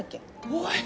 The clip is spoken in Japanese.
おい！